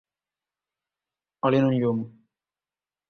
Oli en un llum.